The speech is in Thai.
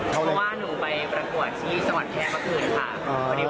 เพราะว่าหนูไปประกวดที่จังหวัดแพร่เมื่อคืนค่ะ